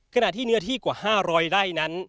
ขณะที่เนื้อที่กว่า๕๐๐ไร่นั้น